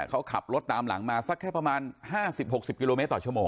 เขาขับรถตามหลังมาสักแค่ประมาณ๕๐๖๐กิโลเมตรต่อชั่วโมง